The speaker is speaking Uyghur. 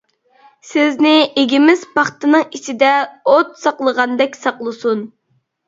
سىزنى ئىگىمىز پاختىنىڭ ئىچىدە ئوت ساقلىغاندەك ساقلىسۇن!